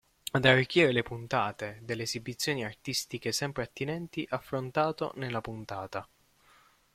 Ad arricchire le puntate, delle esibizioni artistiche sempre attinenti affrontato nella puntata.